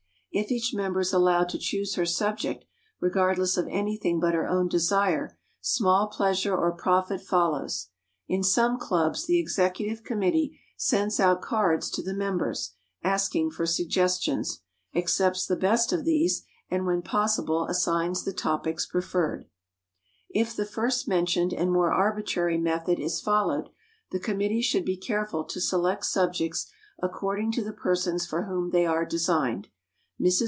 If each member is allowed to choose her subject, regardless of anything but her own desire, small pleasure or profit follows. In some clubs the executive committee sends out cards to the members, asking for suggestions, accepts the best of these, and, when possible, assigns the topics preferred. [Sidenote: ASSIGNING THE TOPICS] If the first mentioned and more arbitrary method is followed, the committee should be careful to select subjects according to the persons for whom they are designed. Mrs.